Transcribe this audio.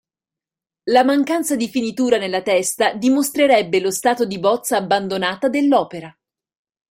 La mancanza di finitura nella testa dimostrerebbe lo stato di bozza abbandonata dell'opera.